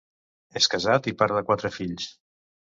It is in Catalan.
És casat i pare de quatre fills.